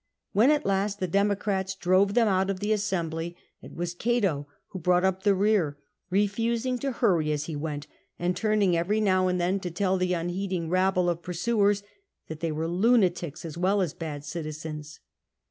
When at last the Democrats drove them out of the assembly, it was Cato who brought up the rear, refusing to hurry as he went, and turning every now and then to tell the unheeding rabble of pursuers that they were lunatics as well as bad citizens.